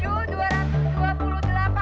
yang sudah selesai nyoblos